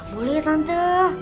boleh ya tante